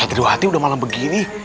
satriwati udah malam begini